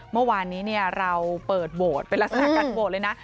เมื่อวานนี้เราเปิดโหวตเป็นลักษณะการโหวตเลยนะ